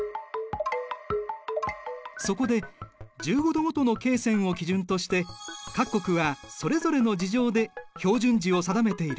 そこで１５度ごとの経線を基準として各国はそれぞれの事情で標準時を定めている。